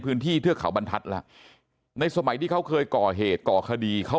พื้นที่เทือกเขาบรรทัดละในสมัยที่เขาเคยก่อเหตุก่อคดีเขา